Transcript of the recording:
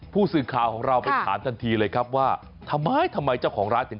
ผู้สื่อข่าวของเราไปถามทันทีเลยครับว่าทำไมทำไมเจ้าของร้านถึง